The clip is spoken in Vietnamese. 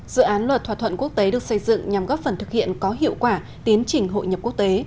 dự án luật thỏa thuận quốc tế được xây dựng nhằm góp phần thực hiện có hiệu quả tiến trình hội nhập quốc tế